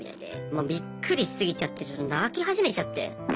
もうびっくりしすぎちゃってちょっと泣き始めちゃって。